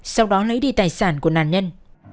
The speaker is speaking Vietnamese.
sau đó lấy đi tài sản của nạn nhân